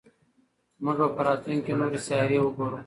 موږ به په راتلونکي کې نورې سیارې وګورو.